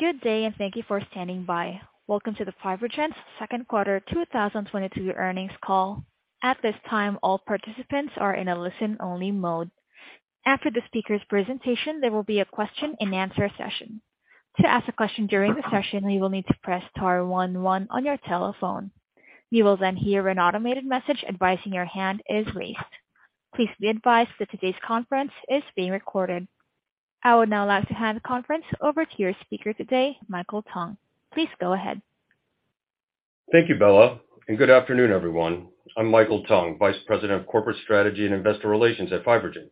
Good day, and thank you for standing by. Welcome to the FibroGen Second Quarter 2022 Earnings Call. At this time, all participants are in a listen-only mode. After the speaker's presentation, there will be a question-and-answer session. To ask a question during the session, you will need to press star one one on your telephone. You will then hear an automated message advising your hand is raised. Please be advised that today's conference is being recorded. I would now like to hand the conference over to your speaker today, Michael Tung. Please go ahead. Thank you, Bella, and good afternoon, everyone. I'm Michael Tung, Vice President of Corporate Strategy and Investor Relations at FibroGen.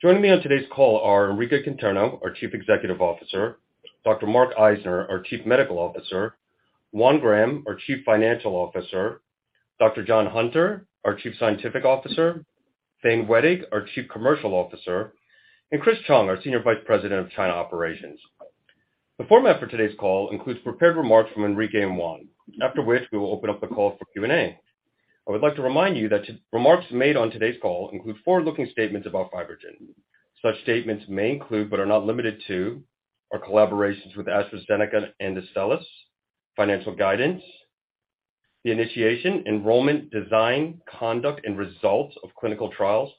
Joining me on today's call are Enrique Conterno, our Chief Executive Officer, Dr. Mark Eisner, our Chief Medical Officer, Juan Graham, our Chief Financial Officer, Dr. John Hunter, our Chief Scientific Officer, Thane Wettig, our Chief Commercial Officer, and Chris Chung, our Senior Vice President of China Operations. The format for today's call includes prepared remarks from Enrique and Juan, after which we will open up the call for Q&A. I would like to remind you that remarks made on today's call include forward-looking statements about FibroGen Such statements may include, but are not limited to, our collaborations with AstraZeneca and Astellas, financial guidance, the initiation, enrollment, design, conduct, and results of clinical trials,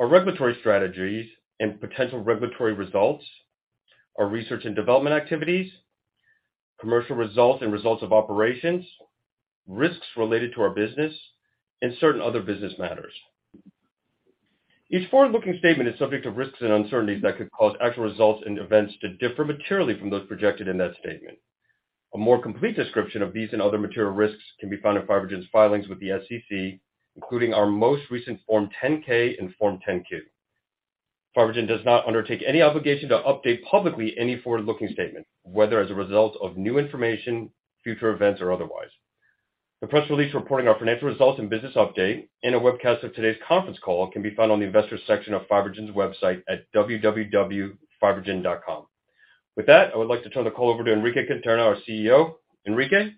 our regulatory strategies and potential regulatory results, our research and development activities, commercial results and results of operations, risks related to our business, and certain other business matters. Each forward-looking statement is subject to risks and uncertainties that could cause actual results and events to differ materially from those projected in that statement. A more complete description of these and other material risks can be found in FibroGen filings with the SEC, including our most recent Form 10-K and Form 10-Q. FibroGen does not undertake any obligation to update publicly any forward-looking statement, whether as a result of new information, future events or otherwise. The press release reporting our financial results and business update and a webcast of today's conference call can be found on the investor section of FibroGen's website at www.fibrogen.com. With that, I would like to turn the call over to Enrique Conterno, our CEO. Enrique?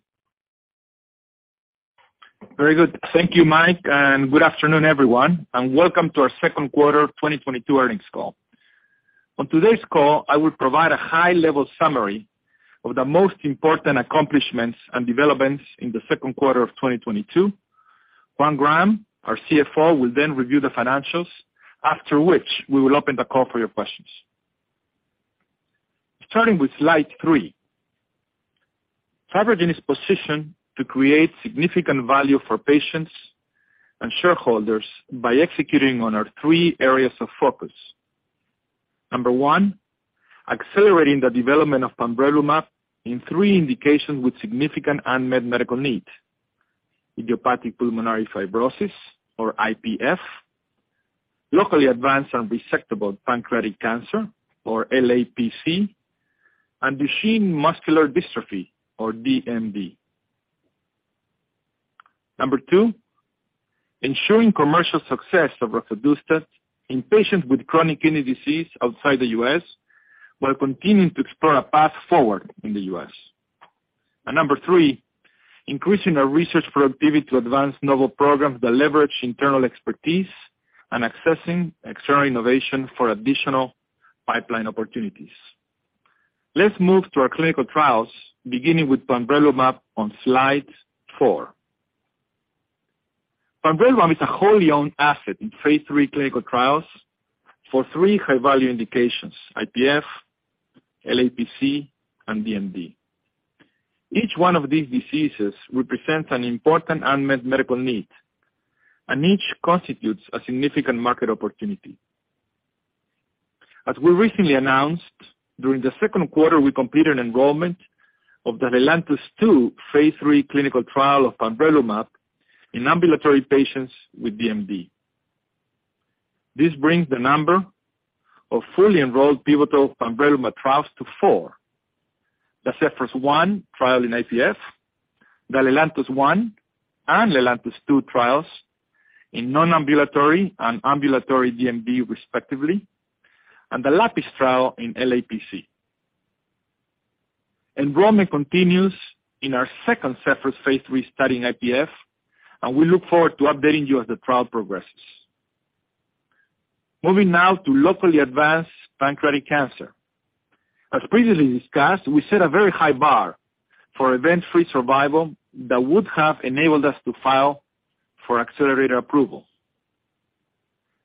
Very good. Thank you, Mike, and good afternoon, everyone, and welcome to our second quarter 2022 earnings call. On today's call, I will provide a high-level summary of the most important accomplishments and developments in the second quarter of 2022. Juan Graham, our CFO, will then review the financials after which we will open the call for your questions. Starting with slide FibroGen is positioned to create significant value for patients and shareholders by executing on our three areas of focus. Number one, accelerating the development of pamrevlumab in three indications with significant unmet medical needs, idiopathic pulmonary fibrosis or IPF, locally advanced unresectable pancreatic cancer or LAPC, and Duchenne muscular dystrophy or DMD. Number two, ensuring commercial success of roxadustat in patients with chronic kidney disease outside the U.S. while continuing to explore a path forward in the U.S. Number three, increasing our research productivity to advance novel programs that leverage internal expertise and accessing external innovation for additional pipeline opportunities. Let's move to our clinical trials, beginning with pamrevlumab on slide 4. Pamrevlumab is a wholly owned asset in phase III clinical trials for 3 high-value indications, IPF, LAPC, and DMD. Each one of these diseases represents an important unmet medical need, and each constitutes a significant market opportunity. As we recently announced, during the second quarter, we completed enrollment of the LELANTOS-2 phase III clinical trial of pamrevlumab in ambulatory patients with DMD. This brings the number of fully enrolled pivotal pamrevlumab trials to 4. The ZEPHYRUS-1 trial in IPF, the LELANTOS-1 and LELANTOS-2 trials in non-ambulatory and ambulatory DMD, respectively, and the LAPIS trial in LAPC. Enrollment continues in our second ZEPHYRUS phase III study in IPF, and we look forward to updating you as the trial progresses. Moving now to locally advanced pancreatic cancer. As previously discussed, we set a very high bar for event-free survival that would have enabled us to file for accelerated approval.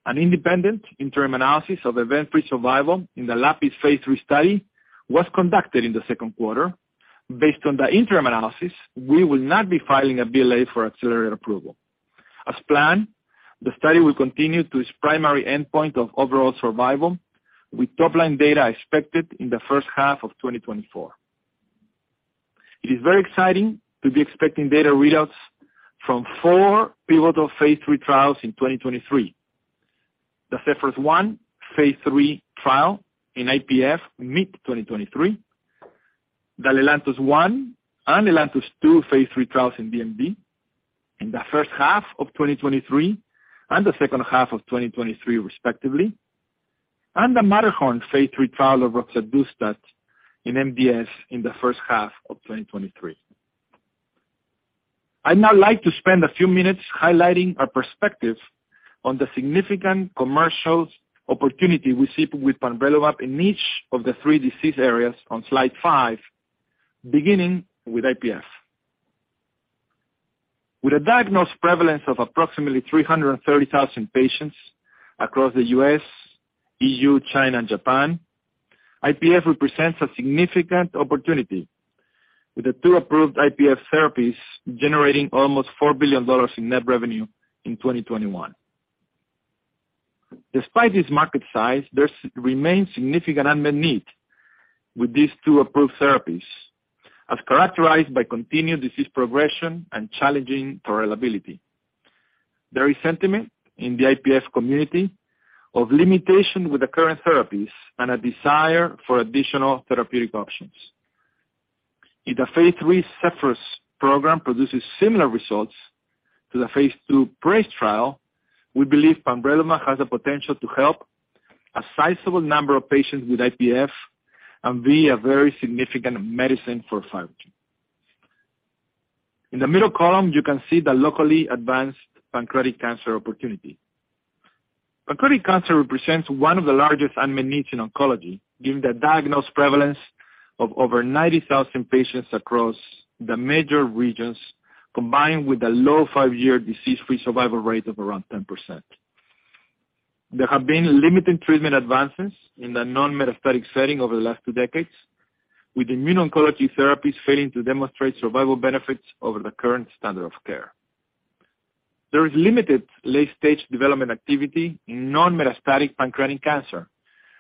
An independent interim analysis of event-free survival in the LAPIS phase III study was conducted in the second quarter. Based on the interim analysis, we will not be filing a BLA for accelerated approval. As planned, the study will continue to its primary endpoint of overall survival, with top-line data expected in the first half of 2024. It is very exciting to be expecting data readouts from four pivotal phase III trials in 2023. The ZEPHYRUS-1 phase III trial in IPF mid-2023, the LELANTOS-1 and LELANTOS-2 phase III trials in DMD in the first half of 2023 and the second half of 2023, respectively, and the MATTERHORN phase III trial of roxadustat in MDS in the first half of 2023. I'd now like to spend a few minutes highlighting our perspective on the significant commercial opportunity we see with pamrevlumab in each of the three disease areas on slide 5, beginning with IPF. With a diagnosed prevalence of approximately 330,000 patients across the U.S., EU, China, and Japan, IPF represents a significant opportunity, with the two approved IPF therapies generating almost $4 billion in net revenue in 2021. Despite this market size, there remains significant unmet need with these two approved therapies, as characterized by continued disease progression and challenging tolerability. There is sentiment in the IPF community of limitation with the current therapies and a desire for additional therapeutic options. If the phase III ZEPHYRUS program produces similar results to the phase II PRAISE trial, we believe pamrevlumab has the potential to help a sizable number of patients with IPF and be a very significant medicine for FibroGen. In the middle column, you can see the locally advanced pancreatic cancer opportunity. Pancreatic cancer represents one of the largest unmet needs in oncology, given the diagnosed prevalence of over 90,000 patients across the major regions, combined with a low five-year disease-free survival rate of around 10%. There have been limited treatment advances in the non-metastatic setting over the last two decades, with immuno-oncology therapies failing to demonstrate survival benefits over the current standard of care. There is limited late-stage development activity in non-metastatic pancreatic cancer,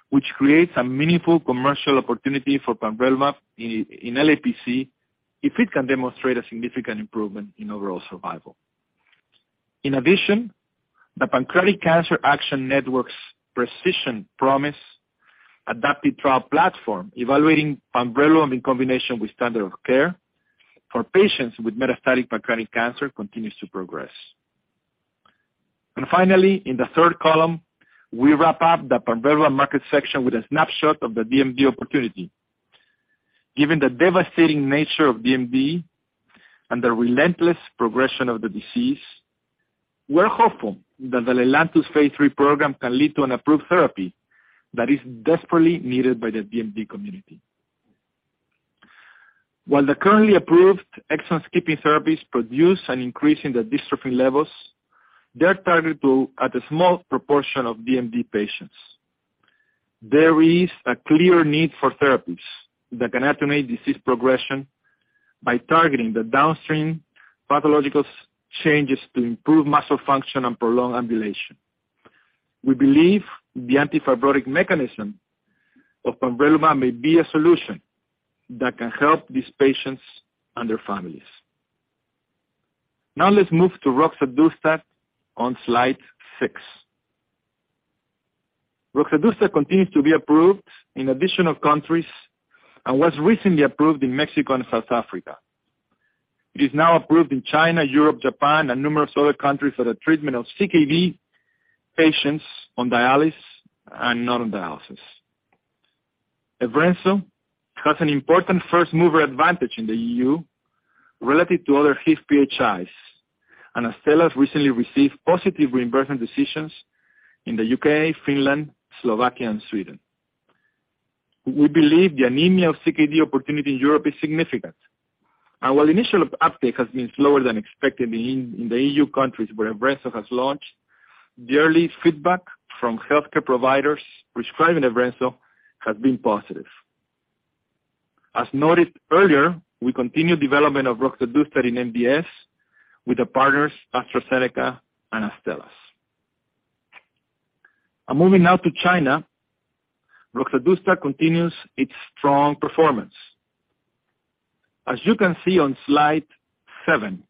which creates a meaningful commercial opportunity for pamrevlumab in LAPC if it can demonstrate a significant improvement in overall survival. In addition, the Pancreatic Cancer Action Network's Precision Promise adaptive trial platform, evaluating pamrevlumab in combination with standard of care for patients with metastatic pancreatic cancer, continues to progress. Finally, in the third column, we wrap up the pamrevlumab market section with a snapshot of the DMD opportunity. Given the devastating nature of DMD and the relentless progression of the disease, we're hopeful that the LELANTOS phase III program can lead to an approved therapy that is desperately needed by the DMD community. While the currently approved exon-skipping therapies produce an increase in the dystrophin levels, they're targeted to a small proportion of DMD patients. There is a clear need for therapies that can attenuate disease progression by targeting the downstream pathological changes to improve muscle function and prolong ambulation. We believe the anti-fibrotic mechanism of pamrevlumab may be a solution that can help these patients and their families. Now let's move to roxadustat on slide 6. Roxadustat continues to be approved in additional countries and was recently approved in Mexico and South Africa. It is now approved in China, Europe, Japan, and numerous other countries for the treatment of CKD patients on dialysis and not on dialysis. Evrenzo has an important first-mover advantage in the EU relative to other HIF-PHIs, and Astellas recently received positive reimbursement decisions in the U.K., Finland, Slovakia, and Sweden. We believe the anemia of CKD opportunity in Europe is significant, and while initial uptake has been slower than expected in the EU countries where Evrenzo has launched, the early feedback from healthcare providers prescribing Evrenzo has been positive. As noted earlier, we continue development of roxadustat in MDS with the partners AstraZeneca and Astellas. Moving now to China, roxadustat continues its strong performance. As you can see on slide 7,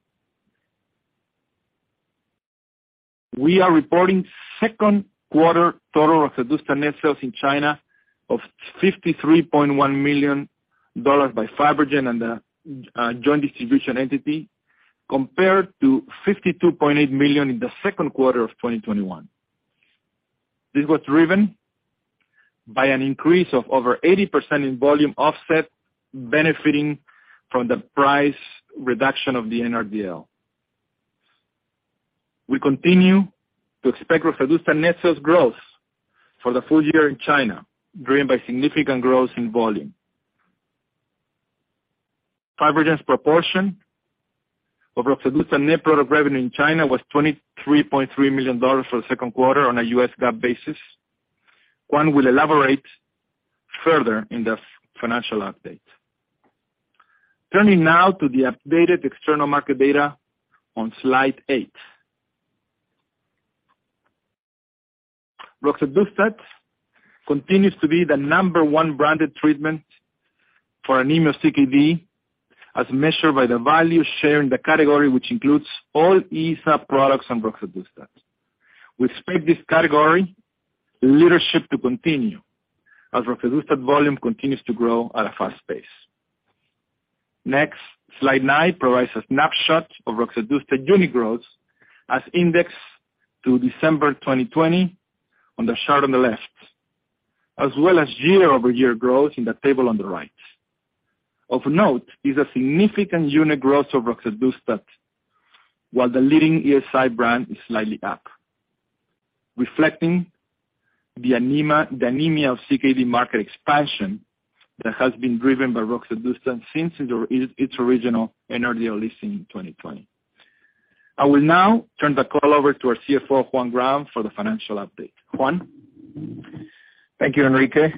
we are reporting second quarter total roxadustat net sales in China of $53.1 million by FibroGen and the joint distribution entity, compared to $52.8 million in the second quarter of 2021. This was driven by an increase of over 80% in volume offset benefiting from the price reduction of the NRDL. We continue to expect roxadustat net sales growth for the full year in China, driven by significant growth in volume. FibroGen's proportion of roxadustat net product revenue in China was $23.3 million for the second quarter on a U.S. GAAP basis. Juan will elaborate further in the financial update. Turning now to the updated external market data on slide 8. Roxadustat continues to be the number one branded treatment for anemia CKD, as measured by the value share in the category, which includes all ESA products and roxadustat. We expect this category leadership to continue as roxadustat volume continues to grow at a fast pace. Next, slide 9 provides a snapshot of roxadustat unit growth as indexed to December 2020 on the chart on the left. As well as year-over-year growth in the table on the right. Of note is a significant unit growth of roxadustat, while the leading ESA brand is slightly up, reflecting the anemia of CKD market expansion that has been driven by roxadustat since its original NRDL listing in 2020. I will now turn the call over to our CFO, Juan Graham, for the financial update. Juan? Thank you, Enrique.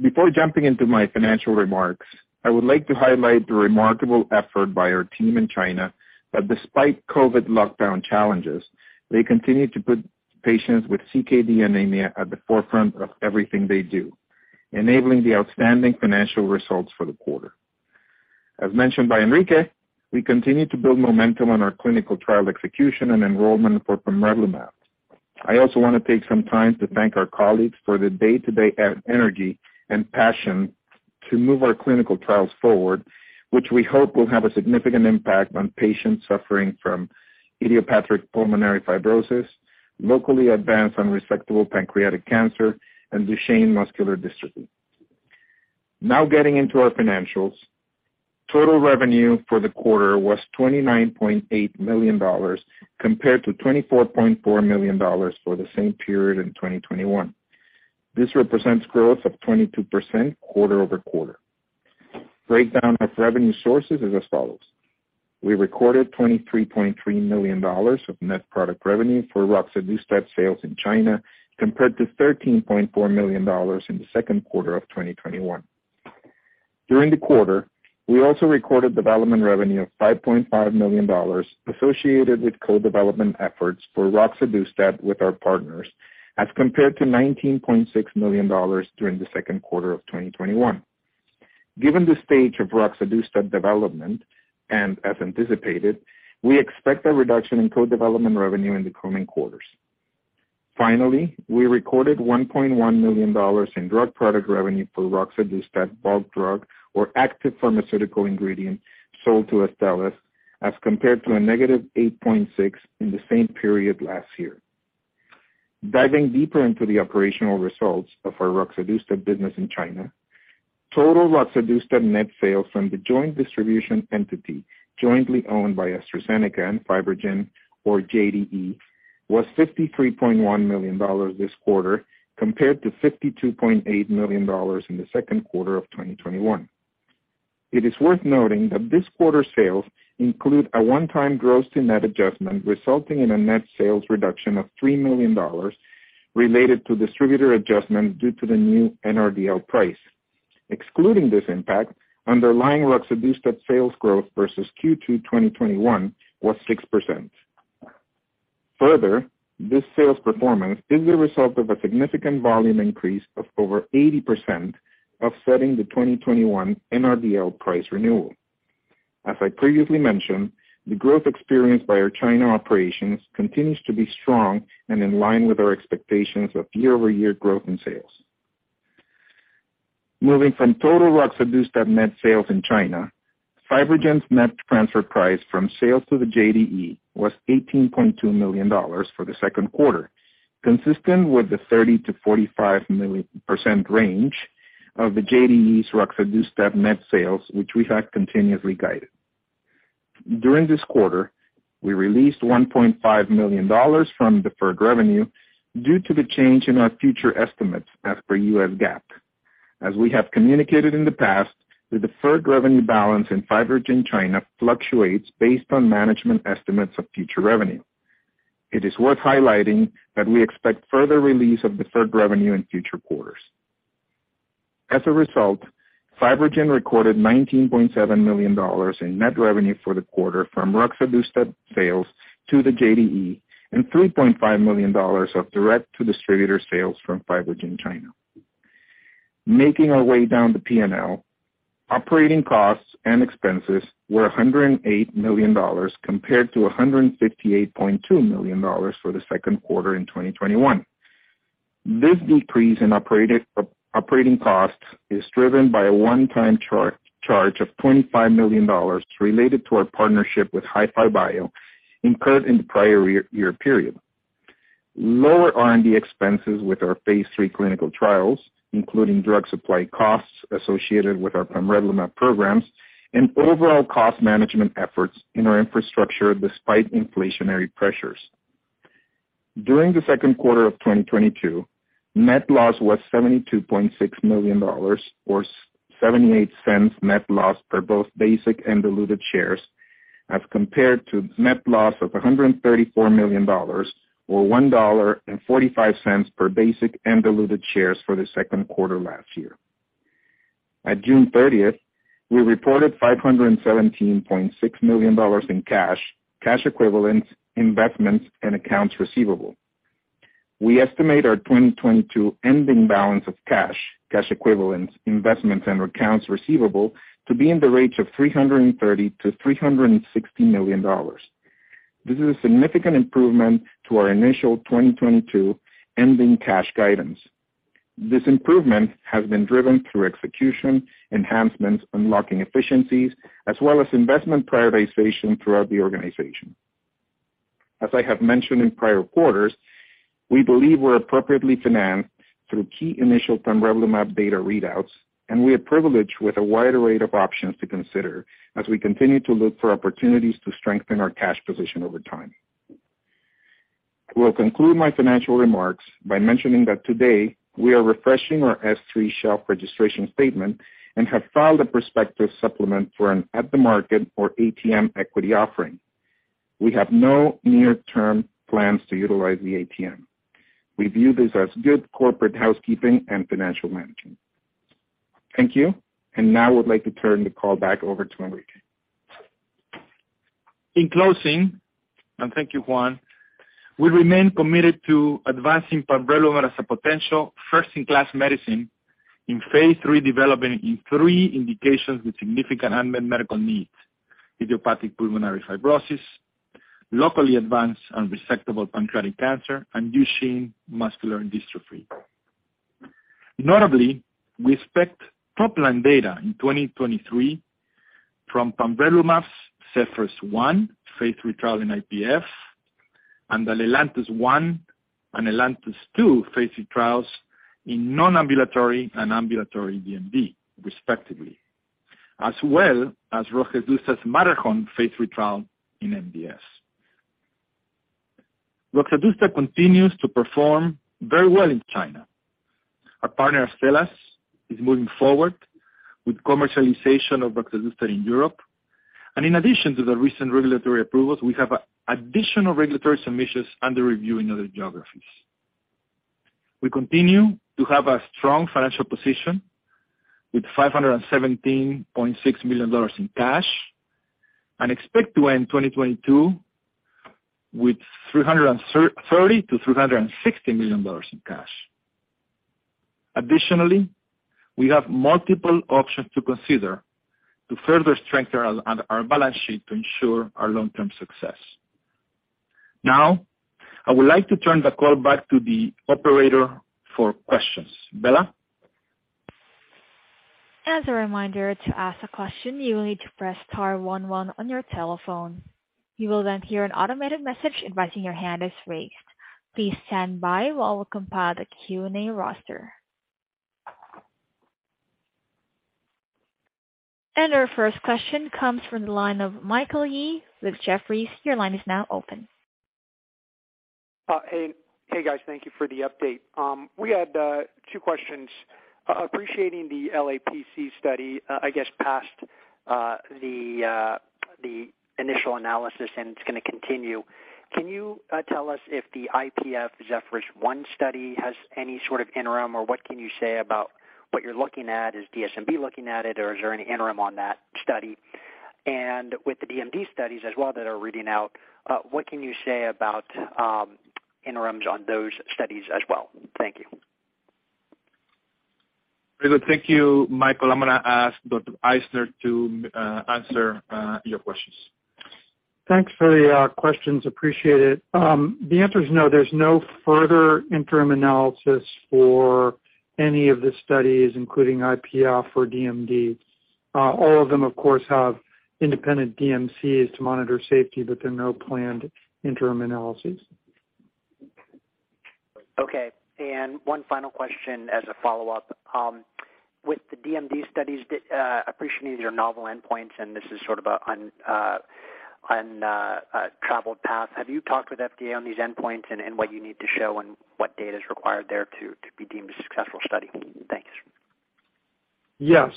Before jumping into my financial remarks, I would like to highlight the remarkable effort by our team in China that, despite COVID lockdown challenges, they continue to put patients with CKD anemia at the forefront of everything they do, enabling the outstanding financial results for the quarter. As mentioned by Enrique, we continue to build momentum on our clinical trial execution and enrollment for pamrevlumab. I also wanna take some time to thank our colleagues for the day-to-day energy and passion to move our clinical trials forward, which we hope will have a significant impact on patients suffering from idiopathic pulmonary fibrosis, locally advanced unresectable pancreatic cancer, and Duchenne muscular dystrophy. Now getting into our financials. Total revenue for the quarter was $29.8 million, compared to $24.4 million for the same period in 2021. This represents growth of 22% quarter-over-quarter. Breakdown of revenue sources is as follows. We recorded $23.3 million of net product revenue for roxadustat sales in China, compared to $13.4 million in the second quarter of 2021. During the quarter, we also recorded development revenue of $5.5 million associated with co-development efforts for roxadustat with our partners, as compared to $19.6 million during the second quarter of 2021. Given the stage of roxadustat development, and as anticipated, we expect a reduction in co-development revenue in the coming quarters. Finally, we recorded $1.1 million in drug product revenue for roxadustat bulk drug or active pharmaceutical ingredients sold to Astellas, as compared to -$8.6 million in the same period last year. Diving deeper into the operational results of our roxadustat business in China, total roxadustat net sales from the joint distribution entity jointly owned by AstraZeneca and FibroGen, or JDE, was $53.1 million this quarter, compared to $52.8 million in Q2 2021. It is worth noting that this quarter's sales include a one-time gross to net adjustment, resulting in a net sales reduction of $3 million related to distributor adjustments due to the new NRDL price. Excluding this impact, underlying roxadustat sales growth versus Q2 2021 was 6%. Further, this sales performance is the result of a significant volume increase of over 80%, offsetting the 2021 NRDL price renewal. As I previously mentioned, the growth experienced by our China operations continues to be strong and in line with our expectations of year-over-year growth in sales. Moving from total roxadustat net sales in China, FibroGen's net transfer price from sales to the JDE was $18.2 million for the second quarter, consistent with the 30%-45% range of the JDE's roxadustat net sales, which we have continuously guided. During this quarter, we released $1.5 million from deferred revenue due to the change in our future estimates as per U.S. GAAP. As we have communicated in the past, the deferred revenue balance in FibroGen China fluctuates based on management estimates of future revenue. It is worth highlighting that we expect further release of deferred revenue in future quarters. As a result, FibroGen recorded $19.7 million in net revenue for the quarter from roxadustat sales to the JDE and $3.5 million of direct-to-distributor sales from FibroGen China. Making our way down the P&L, operating costs and expenses were $108 million compared to $158.2 million for the second quarter of 2021. This decrease in operating costs is driven by a one-time charge of $25 million related to our partnership with HiFiBiO incurred in the prior year period. Lower R&D expenses with our phase III clinical trials, including drug supply costs associated with our pamrevlumab programs and overall cost management efforts in our infrastructure despite inflationary pressures. During the second quarter of 2022, net loss was $72.6 million or 78 cents net loss per both basic and diluted shares, as compared to net loss of $134 million or $1.45 per basic and diluted shares for the second quarter last year. As of June 30th, we reported $517.6 million in cash equivalents, investments, and accounts receivable. We estimate our 2022 ending balance of cash equivalents, investments, and accounts receivable to be in the range of $330 million-$360 million. This is a significant improvement to our initial 2022 ending cash guidance. This improvement has been driven through execution, enhancements, unlocking efficiencies, as well as investment prioritization throughout the organization. As I have mentioned in prior quarters, we believe we're appropriately financed through key initial pamrevlumab data readouts, and we are privileged with a wide array of options to consider as we continue to look for opportunities to strengthen our cash position over time. I will conclude my financial remarks by mentioning that today we are refreshing our Form S-3 shelf registration statement and have filed a prospectus supplement for an at the market or ATM equity offering. We have no near-term plans to utilize the ATM. We view this as good corporate housekeeping and financial management. Thank you. Now I would like to turn the call back over to Enrique. In closing, and thank you, Juan, we remain committed to advancing pamrevlumab as a potential first-in-class medicine in phase III development in three indications with significant unmet medical needs, idiopathic pulmonary fibrosis, locally advanced unresectable pancreatic cancer, and Duchenne muscular dystrophy. Notably, we expect top line data in 2023 from pamrevlumab's ZEPHYRUS-1 phase III trial in IPF and the LELANTOS-1 and LELANTOS-2 phase III trials in non-ambulatory and ambulatory DMD respectively, as well as Roxadustat's MATTERHORN phase III trial in MDS. Roxadustat continues to perform very well in China. Our partner, Astellas, is moving forward with commercialization of Roxadustat in Europe. In addition to the recent regulatory approvals, we have additional regulatory submissions under review in other geographies. We continue to have a strong financial position with $517.6 million in cash and expect to end 2022 with $330 million-$360 million in cash. Additionally, we have multiple options to consider to further strengthen our balance sheet to ensure our long-term success. Now, I would like to turn the call back to the operator for questions. Bella? As a reminder, to ask a question, you will need to press star one one on your telephone. You will then hear an automated message advising your hand is raised. Please stand by while we compile the Q&A roster. Our first question comes from the line of Michael Yee with Jefferies. Your line is now open. Hey, guys. Thank you for the update. We had two questions. Appreciating the LAPC study, I guess, passed the initial analysis, and it's gonna continue. Can you tell us if the IPF ZEPHYRUS-1 study has any sort of interim, or what can you say about what you're looking at? Is DSMB looking at it, or is there any interim on that study? With the DMD studies as well that are reading out, what can you say about interims on those studies as well? Thank you. Very good. Thank you, Michael. I'm gonna ask Dr. Eisner to answer your questions. Thanks for the questions. Appreciate it. The answer is no, there's no further interim analysis for any of the studies, including IPF or DMD. All of them, of course, have independent DMCs to monitor safety, but there are no planned interim analyses. Okay. One final question as a follow-up. With the DMD studies, appreciating your novel endpoints, and this is sort of a untraveled path, have you talked with FDA on these endpoints and what you need to show and what data is required there to be deemed a successful study? Thanks. Yes.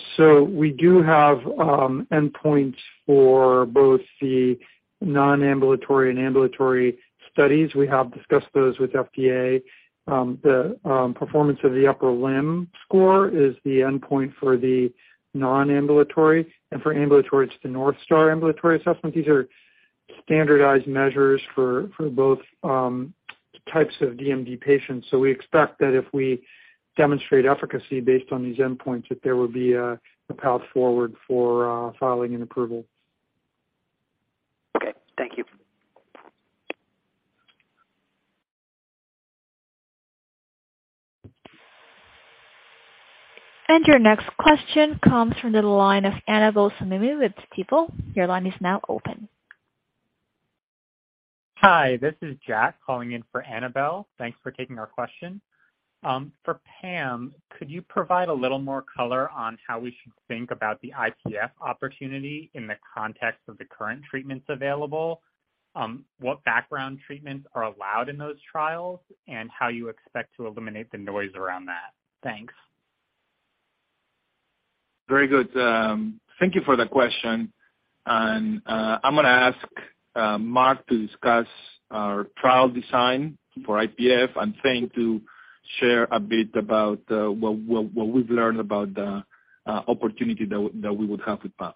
We do have endpoints for both the non-ambulatory and ambulatory studies. We have discussed those with FDA. The Performance of the Upper Limb score is the endpoint for the non-ambulatory. For ambulatory, it's the North Star Ambulatory Assessment. These are standardized measures for both types of DMD patients. We expect that if we demonstrate efficacy based on these endpoints, that there would be a path forward for filing an approval. Okay. Thank you. Your next question comes from the line of Annabel Samimy with Stifel. Your line is now open. Hi, this is Jack calling in for Annabel. Thanks for taking our question. For Pam, could you provide a little more color on how we should think about the IPF opportunity in the context of the current treatments available, what background treatments are allowed in those trials, and how you expect to eliminate the noise around that? Thanks. Very good. Thank you for the question. I'm gonna ask Mark to discuss our trial design for IPF and Thane to share a bit about what we've learned about the opportunity that we would have with pamrevlumab.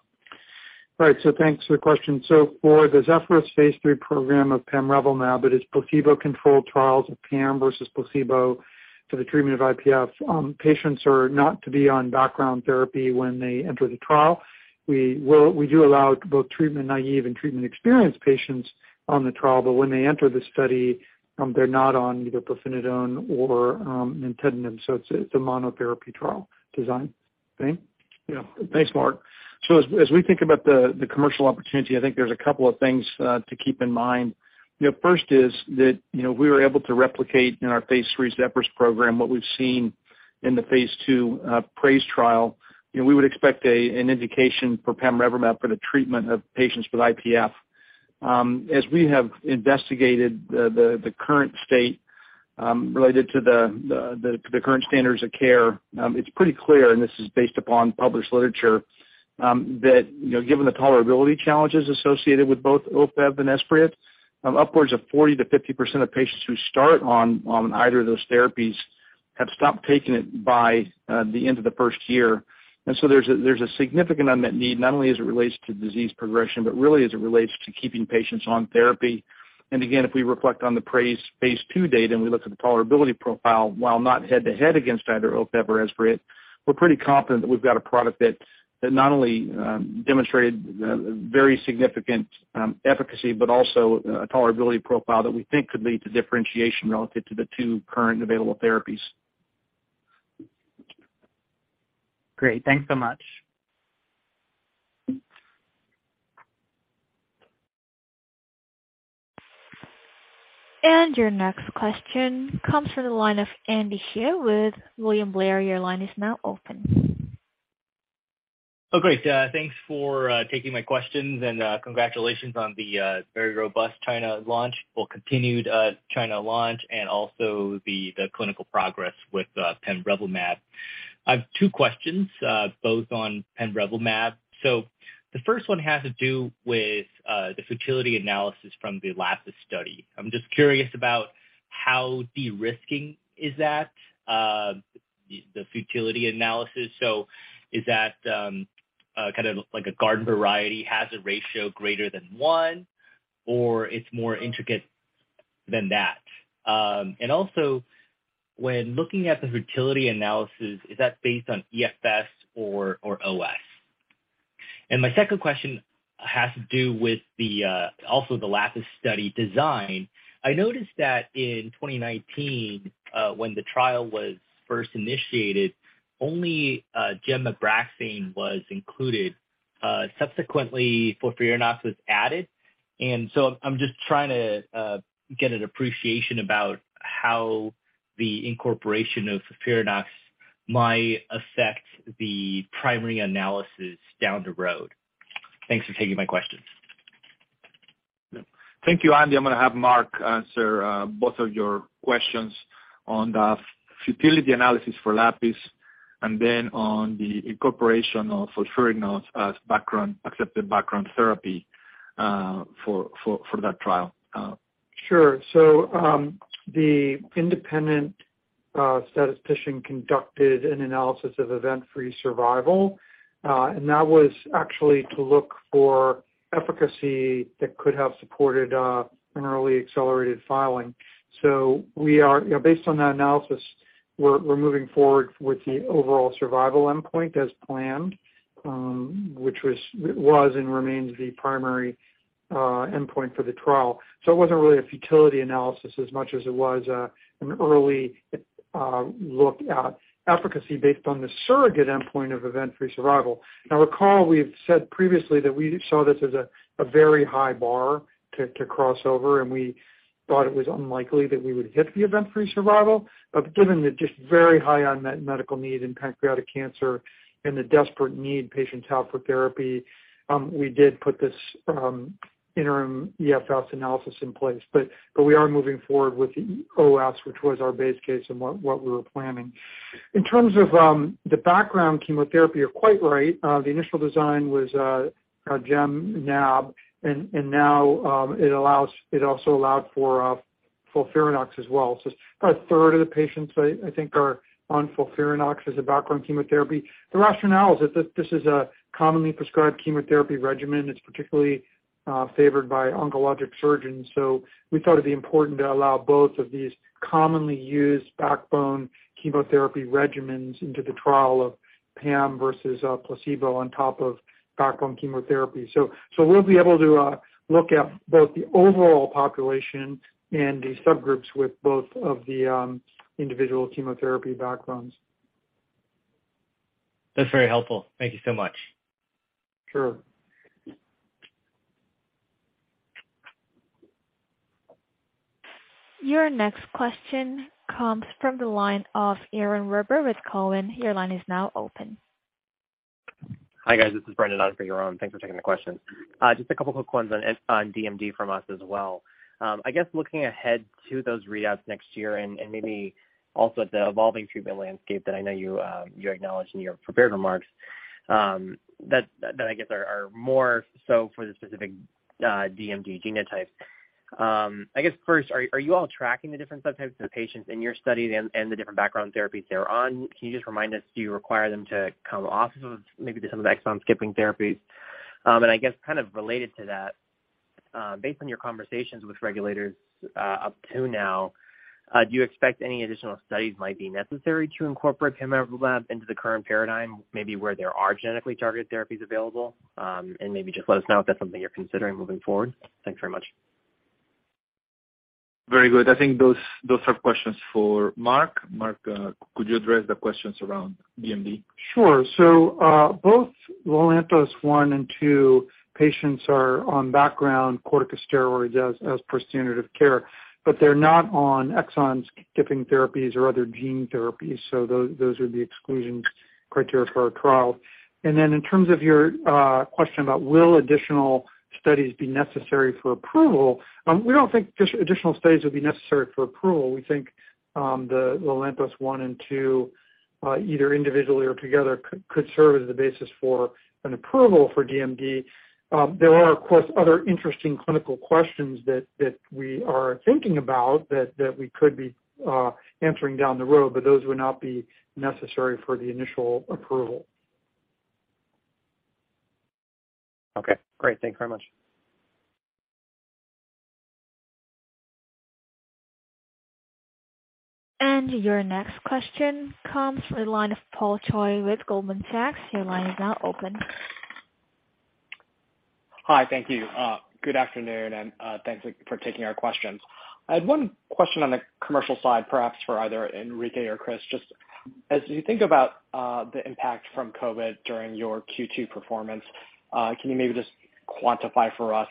Right. Thanks for the question. For the ZEPHYRUS phase III program of pamrevlumab, it is placebo-controlled trials of Pam versus placebo for the treatment of IPF. Patients are not to be on background therapy when they enter the trial. We do allow both treatment-naive and treatment-experienced patients on the trial, but when they enter the study, they're not on either pirfenidone or nintedanib, so it's a monotherapy trial design. Thane Wettig? Yeah. Thanks, Mark. As we think about the commercial opportunity, I think there's a couple of things to keep in mind. You know, first is that you know, we were able to replicate in our phase III ZEPHYRUS program what we've seen in the phase II PRAISE trial. You know, we would expect an indication for pamrevlumab for the treatment of patients with IPF. As we have investigated the current state related to the current standards of care, it's pretty clear, and this is based upon published literature, that you know, given the tolerability challenges associated with both Ofev and Esbriet, upwards of 40%-50% of patients who start on either of those therapies have stopped taking it by the end of the first year. There's a significant unmet need, not only as it relates to disease progression, but really as it relates to keeping patients on therapy. If we reflect on the PRAISE phase II data, and we look at the tolerability profile, while not head to head against either Ofev or Esbriet, we're pretty confident that we've got a product that not only demonstrated the very significant efficacy, but also a tolerability profile that we think could lead to differentiation relative to the two current available therapies. Great. Thanks so much. Your next question comes from the line of Andy Hsieh with William Blair. Your line is now open. Oh, great. Thanks for taking my questions and congratulations on the very robust China launch or continued China launch and also the clinical progress with pamrevlumab. I have two questions, both on pamrevlumab. The first one has to do with the futility analysis from the LAPIS study. I'm just curious about how de-risking is that the futility analysis. Is that kind of like a garden variety hazard ratio greater than one, or it's more intricate than that? And also when looking at the futility analysis, is that based on EFS or OS? My second question has to do with also the LAPIS study design. I noticed that in 2019, when the trial was first initiated, only gemcitabine and Abraxane was included. Subsequently FOLFIRINOX was added. I'm just trying to get an appreciation about how the incorporation of FOLFIRINOX might affect the primary analysis down the road. Thanks for taking my questions. Thank you, Andy. I'm gonna have Mark answer both of your questions on the futility analysis for LAPIS and then on the incorporation of FOLFIRINOX as background, accepted background therapy for that trial. Sure. The independent statistician conducted an analysis of event-free survival, and that was actually to look for efficacy that could have supported an early accelerated filing. We are, you know, based on that analysis, we're moving forward with the overall survival endpoint as planned, which was and remains the primary endpoint for the trial. It wasn't really a futility analysis as much as it was an early look at efficacy based on the surrogate endpoint of event-free survival. Now recall, we've said previously that we saw this as a very high bar to cross over, and we thought it was unlikely that we would hit the event-free survival. Given the just very high unmet medical need in pancreatic cancer and the desperate need patients have for therapy, we did put this interim EFS analysis in place. We are moving forward with the OS, which was our base case and what we were planning. In terms of the background chemotherapy, you're quite right. The initial design was gemcitabine and nab-paclitaxel and now it allows, it also allowed for FOLFIRINOX as well. About a third of the patients I think are on FOLFIRINOX as a background chemotherapy. The rationale is that this is a commonly prescribed chemotherapy regimen. It's particularly favored by oncologic surgeons. We thought it'd be important to allow both of these commonly used backbone chemotherapy regimens into the trial of pamrevlumab versus placebo on top of backbone chemotherapy. We'll be able to look at both the overall population and the subgroups with both of the individual chemotherapy backbones. That's very helpful. Thank you so much. Sure. Your next question comes from the line of Yaron Werber with Cowen. Your line is now open. Hi, guys. This is Brendan on Yaron Werber. Thanks for taking the question. Just a couple of quick ones on DMD from us as well. I guess looking ahead to those readouts next year and maybe also the evolving treatment landscape that I know you acknowledged in your prepared remarks, that I guess are more so for the specific DMD genotypes. I guess first, are you all tracking the different subtypes of patients in your studies and the different background therapies they're on? Can you just remind us, do you require them to come off of maybe some of the exon-skipping therapies? I guess kind of related to that, based on your conversations with regulators, up to now, do you expect any additional studies might be necessary to incorporate pamrevlumab into the current paradigm, maybe where there are genetically targeted therapies available? Maybe just let us know if that's something you're considering moving forward. Thanks very much. Very good. I think those are questions for Mark. Mark, could you address the questions around DMD? Sure. Both LELANTOS-1 and LELANTOS-2 patients are on background corticosteroids as per standard of care, but they're not on exon-skipping therapies or other gene therapies. Those are the exclusion criteria for our trial. In terms of your question about will additional studies be necessary for approval, we don't think just additional studies will be necessary for approval. We think the LELANTOS-1 and LELANTOS-2 either individually or together could serve as the basis for an approval for DMD. There are of course other interesting clinical questions that we are thinking about that we could be answering down the road, but those would not be necessary for the initial approval. Okay, great. Thank you very much. Your next question comes to the line of Paul Choi with Goldman Sachs. Your line is now open. Hi. Thank you. Good afternoon, and thanks for taking our questions. I had one question on the commercial side, perhaps for either Enrique or Chris. Just as you think about the impact from COVID during your Q2 performance, can you maybe just quantify for us,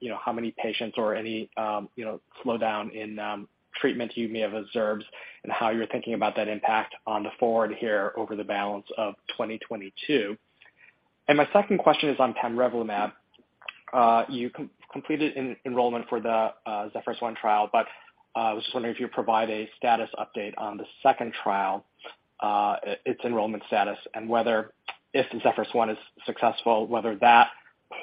you know, how many patients or any slowdown in treatment you may have observed and how you're thinking about that impact going forward here over the balance of 2022? My second question is on pamrevlumab. You completed enrollment for the ZEPHYRUS-1 trial. I was just wondering if you provide a status update on the second trial, its enrollment status and whether if the ZEPHYRUS-1 is successful, whether that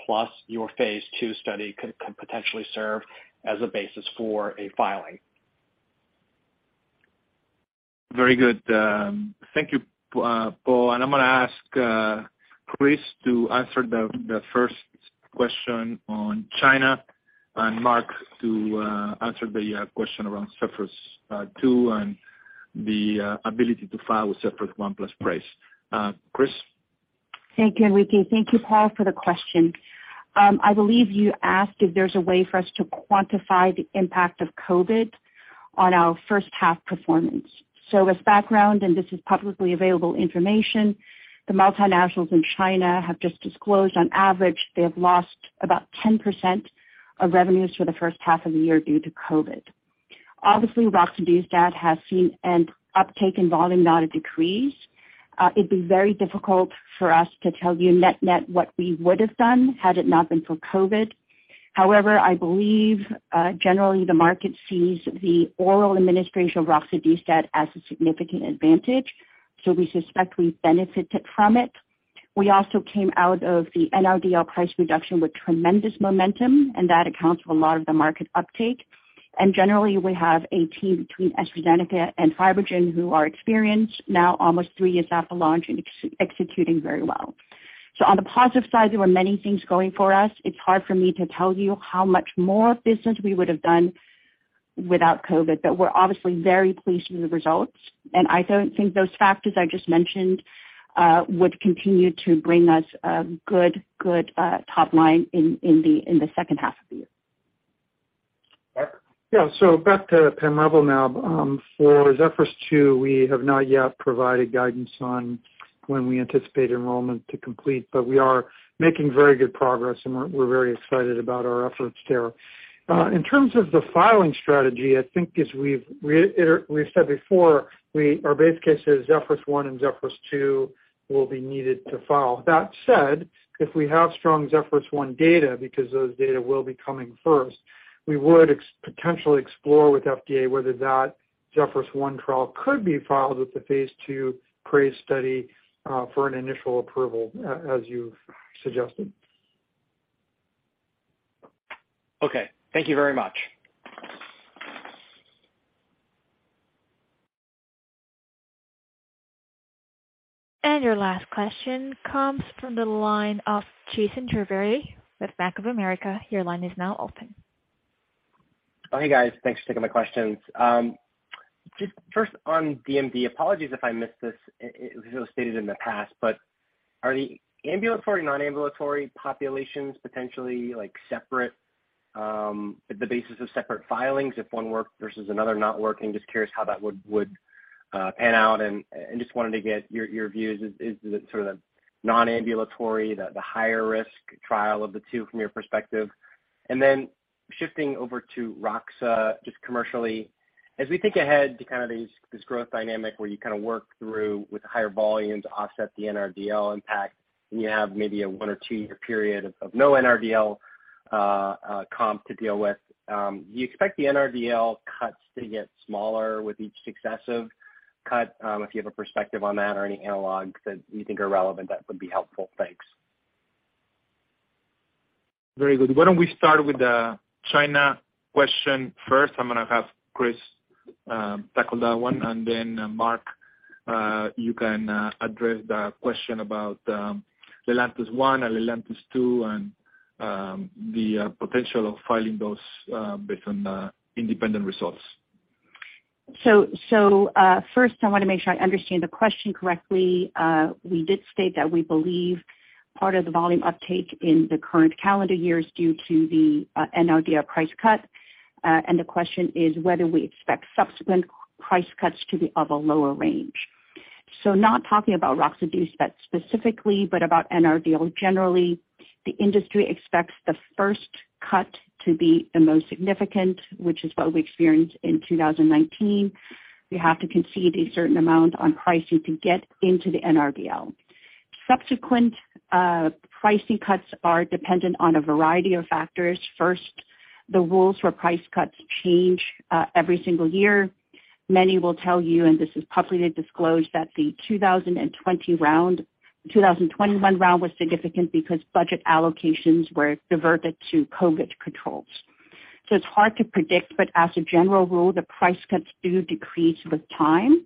plus your phase II study could potentially serve as a basis for a filing. Very good. Thank you, Paul. I'm gonna ask Chris to answer the first question on China and Mark to answer the question around ZEPHYRUS-2 and the ability to file with ZEPHYRUS-1 plus PRAISE. Chris? Thank you, Enrique. Thank you, Paul, for the question. I believe you asked if there's a way for us to quantify the impact of COVID on our first half performance. As background, and this is publicly available information, the multinationals in China have just disclosed, on average, they have lost about 10% of revenues for the first half of the year due to COVID. Obviously, roxadustat has seen an uptake in volume, not a decrease. It'd be very difficult for us to tell you net-net what we would have done had it not been for COVID. However, I believe, generally the market sees the oral administration of roxadustat as a significant advantage, so we suspect we benefited from it. We also came out of the NRDL price reduction with tremendous momentum, and that accounts for a lot of the market uptake. Generally, we have a team between AstraZeneca and FibroGen who are experienced now almost three years after launch and executing very well. On the positive side, there were many things going for us. It's hard for me to tell you how much more business we would have done without COVID, but we're obviously very pleased with the results. I don't think those factors I just mentioned would continue to bring us a good top line in the second half of the year. Mark? Yeah. Back to Pamrevlumab. For ZEPHYRUS-2, we have not yet provided guidance on when we anticipate enrollment to complete, but we are making very good progress, and we're very excited about our efforts there. In terms of the filing strategy, I think as we've said before, our base case is ZEPHYRUS-1 and ZEPHYRUS-2 will be needed to file. That said, if we have strong ZEPHYRUS-1 data, because those data will be coming first, we would potentially explore with FDA whether that ZEPHYRUS-1 trial could be filed with the phase II PRAISE study, for an initial approval as you've suggested. Okay. Thank you very much. Your last question comes from the line of Jason Gerberry with Bank of America. Your line is now open. Oh, hey, guys. Thanks for taking my questions. Just first on DMD, apologies if I missed this. It was stated in the past, but are the ambulatory, non-ambulatory populations potentially, like, separate at the basis of separate filings if one worked versus another not working? Just curious how that would pan out, and just wanted to get your views. Is it sort of the non-ambulatory the higher risk trial of the two from your perspective? Shifting over to Roxa, just commercially. As we think ahead to this growth dynamic where you kind of work through with the higher volumes to offset the NRDL impact, and you have maybe a 1 or 2-year period of no NRDL comp to deal with, do you expect the NRDL cuts to get smaller with each successive cut? If you have a perspective on that or any analogs that you think are relevant, that would be helpful. Thanks. Very good. Why don't we start with the China question first? I'm gonna have Chris tackle that one, and then Mark, you can address the question about LELANTOS-1 and LELANTOS-2 and the potential of filing those based on independent results. First, I wanna make sure I understand the question correctly. We did state that we believe part of the volume uptake in the current calendar year is due to the NRDL price cut. The question is whether we expect subsequent price cuts to be of a lower range. Not talking about Roxadustat specifically, but about NRDL generally, the industry expects the first cut to be the most significant, which is what we experienced in 2019. We have to concede a certain amount on pricing to get into the NRDL. Subsequent pricing cuts are dependent on a variety of factors. First, the rules for price cuts change every single year. Many will tell you, and this is publicly disclosed, that the 2021 round was significant because budget allocations were diverted to COVID controls. It's hard to predict, but as a general rule, the price cuts do decrease with time.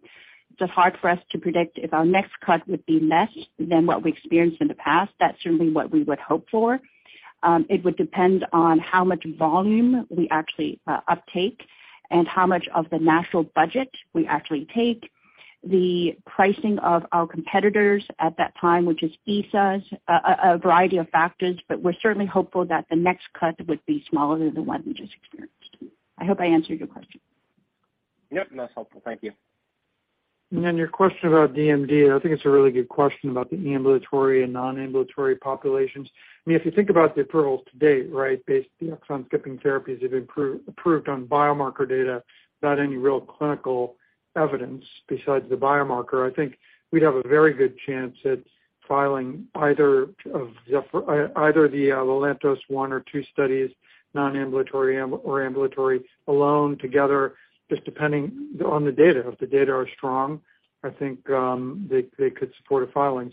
It's hard for us to predict if our next cut would be less than what we experienced in the past. That's certainly what we would hope for. It would depend on how much volume we actually uptake and how much of the national budget we actually take. The pricing of our competitors at that time, which is ESAs, a variety of factors, but we're certainly hopeful that the next cut would be smaller than the one we just experienced. I hope I answered your question. Yep, that's helpful. Thank you. Your question about DMD, I think it's a really good question about the ambulatory and non-ambulatory populations. I mean, if you think about the approvals to date, right, based the exon-skipping therapies have improved, approved on biomarker data, not any real clinical evidence besides the biomarker. I think we'd have a very good chance at filing either the LELANTOS one or two studies, non-ambulatory or ambulatory alone, together, just depending on the data. If the data are strong, I think they could support a filing.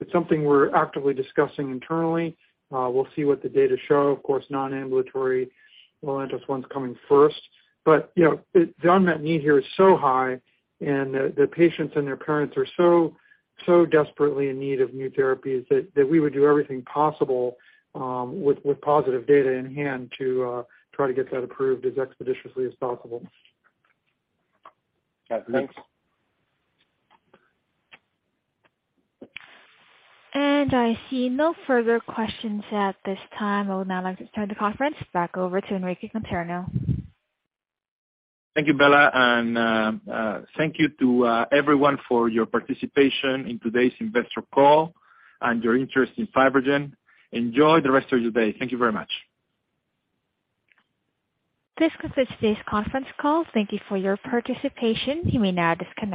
It's something we're actively discussing internally. We'll see what the data show. Of course, non-ambulatory LELANTOS one's coming first. You know, it. The unmet need here is so high and the patients and their parents are so desperately in need of new therapies that we would do everything possible, with positive data in hand to try to get that approved as expeditiously as possible. Thanks. I see no further questions at this time. I would now like to turn the conference back over to Enrique Conterno. Thank you, Bella. Thank you to everyone for your participation in today's investor call and your interest in FibroGen. Enjoy the rest of your day. Thank you very much. This concludes today's conference call. Thank you for your participation. You may now disconnect.